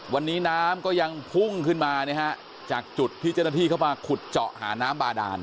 วันนี้น้ำก็ยังพุ่งขึ้นมานะฮะจากจุดที่เจ้าหน้าที่เข้ามาขุดเจาะหาน้ำบาดาน